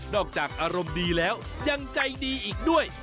อกจากอารมณ์ดีแล้วยังใจดีอีกด้วย